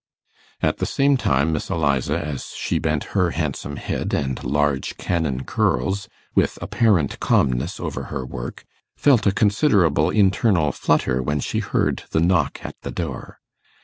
At the same time, Miss Eliza, as she bent her handsome head and large cannon curls with apparent calmness over her work, felt a considerable internal flutter when she heard the knock at the door.